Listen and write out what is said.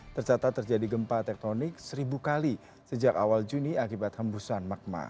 tercatat terjadi gempa tektonik seribu kali sejak awal juni akibat hembusan magma